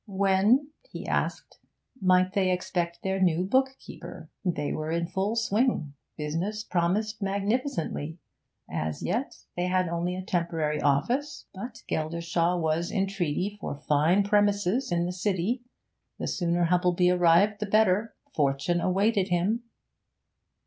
'When,' he asked, 'might they expect their new bookkeeper. They were in full swing; business promised magnificently. As yet, they had only a temporary office, but Geldershaw was in treaty for fine premises in the city. The sooner Humplebee arrived the better; fortune awaited him.'